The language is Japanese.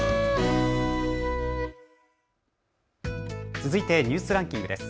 続いてニュースランキングです。